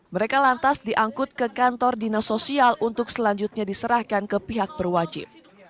mereka lantas diangkut ke kantor dinas sosial untuk selanjutnya diserahkan ke pihak berwajib